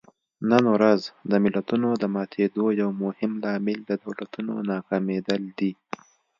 نن ورځ د ملتونو د ماتېدو یو مهم لامل د دولتونو ناکامېدل دي.